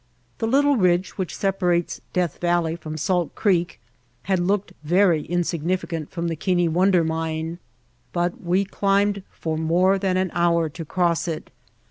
The little ridge which separates Death Valley from Salt Creek had looked very insignificant from the Keane Wonder Mine, but we climbed for more than an hour to cross it.